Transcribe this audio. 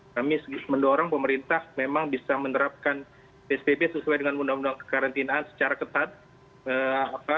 kami mendorong pemerintah memang bisa menerapkan psbb sesuai dengan undang undang kekarantinaan secara ketat